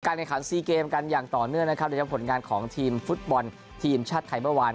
ในขันซีเกมกันอย่างต่อเนื่องนะครับโดยเฉพาะผลงานของทีมฟุตบอลทีมชาติไทยเมื่อวาน